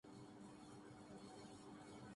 ایک حد تک گروہ کا بننا اور تعصب کا پیدا ہونا فطری ہے۔